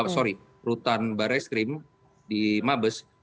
sorry rutan barai skrim di mabes